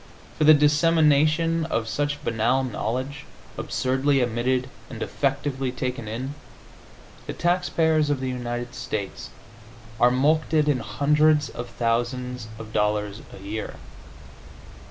For the dissemination of such banal knowledge, absurdly emitted and defectively taken in, the taxpayers of the United States are mulcted in hundreds of thousands of dollars a year.